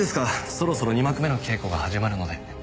そろそろ二幕目の稽古が始まるので。